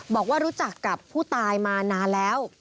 บอกว่ารู้จักกับผู้ตายมานานแล้ว